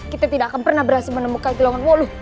kita tidak akan pernah berhasil menemukan kelongan wolu